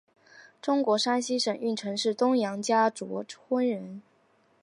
中国山西省运城市东杨家卓村人。